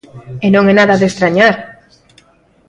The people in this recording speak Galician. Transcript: E non é nada de estrañar.